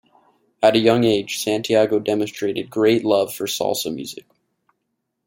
At a young age, Santiago demonstrated great love for salsa music.